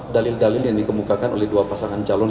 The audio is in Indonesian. dalil dalil yang dikemukakan oleh dua pasangan calon